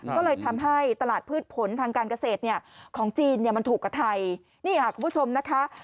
ก็เลยทำให้ตลาดพืชผลทางการเกษตรเนี่ยของจีนเนี่ยมันถูกกว่าไทยนี่ค่ะคุณผู้ชมนะคะ